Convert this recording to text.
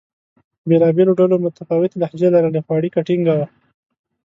بېلابېلو ډلو متفاوتې لهجې لرلې؛ خو اړیکه ټینګه وه.